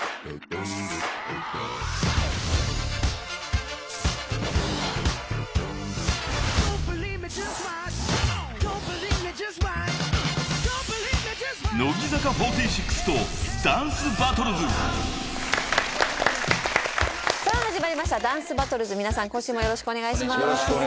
よろしくお願いします。